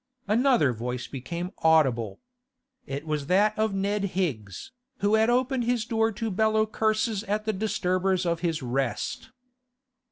Another voice became audible. It was that of Ned Higgs, who had opened his door to bellow curses at the disturbers of his rest.